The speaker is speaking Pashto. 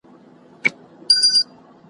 له شپانه سره یې وړي د شپېلیو جنازې دي `